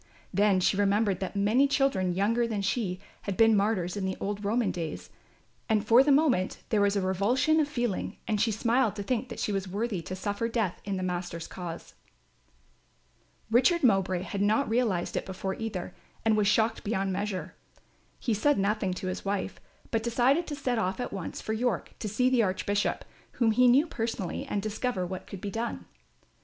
Then she remembered that many children younger than she had been martyrs in the old Roman days, and for the moment there was a revulsion of feeling and she smiled to think that she was worthy to suffer death in the Master's cause. Richard Mowbray had not realised it before either, and was shocked beyond measure. He said nothing to his wife, but decided to set off at once for York to see the Archbishop, whom he knew personally, and discover what could be done.